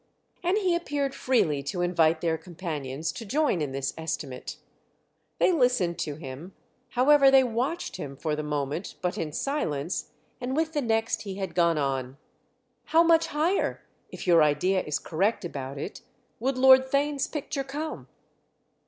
And he appeared freely to invite their companions to join in this estimate. They listened to him, however, they watched him, for the moment, but in silence, and with the next he had gone on: "How much higher—if your idea is correct about it—would Lord Theign's picture come?"